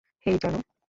হেই, জানু।